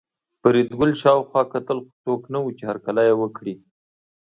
فریدګل شاوخوا کتل خو څوک نه وو چې هرکلی یې وکړي